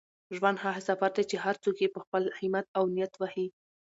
ژوند هغه سفر دی چي هر څوک یې په خپل همت او نیت وهي.